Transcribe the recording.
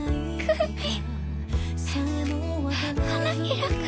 花開く。